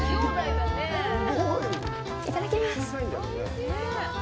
いただきます。